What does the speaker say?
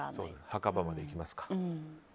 墓場までいきますか。